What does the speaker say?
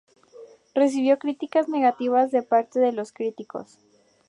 Recibió críticas negativas de parte de los críticos.